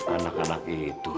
anak anak ini tuh